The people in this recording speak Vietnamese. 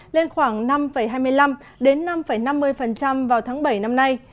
lên khoảng năm hai mươi năm đến năm năm mươi vào tháng bảy năm nay